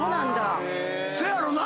せやろな。